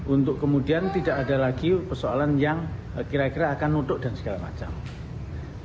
untuk kemudian tidak ada lagi persoalan yang kira kira akan nuduk dan segala macam